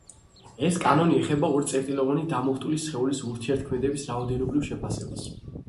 ეს კანონი ეხება ორი წერტილოვანი დამუხტული სხეულის ურთიერთქმედების რაოდენობრივ შეფასებას.